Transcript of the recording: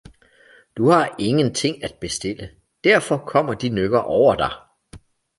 Du har ingen ting at bestille, derfor kommer de nykker over dig!